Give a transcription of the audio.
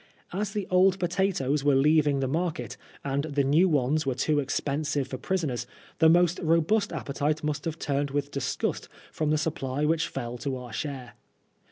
As the old potatoes were leaving the market, and the new ones were too expensive for prisoners, the most robust appetite must have turned with disgust from the supply which fell to our share.